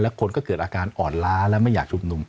คนก็เกิดอาการอ่อนล้าและไม่อยากชุมนุม